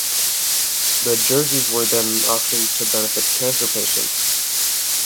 The jerseys were then auctioned to benefit cancer patients.